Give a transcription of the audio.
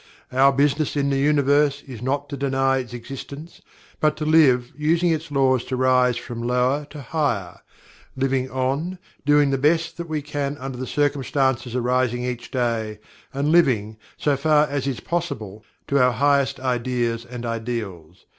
Our business in the Universe is not to deny its existence, but to LIVE, using the Laws to rise from lower to higher living on, doing the best that we can under the circumstances arising each day, and living, so far as is possible, to our biggest ideas and ideals.